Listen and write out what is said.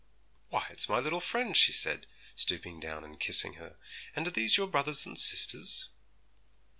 'Why, it's my little friend!' she said, stooping down and kissing her; 'and are these your brothers and sisters?'